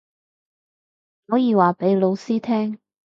可以話畀老師聽